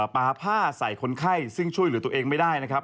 ปลาผ้าใส่คนไข้ซึ่งช่วยเหลือตัวเองไม่ได้นะครับ